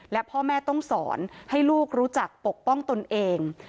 และพ่อแม่ต้องสอนให้ลูกรู้จักปกป้องตนเอง